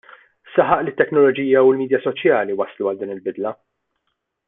Saħaq li t-teknoloġija u l-midja soċjali wasslu għal din il-bidla.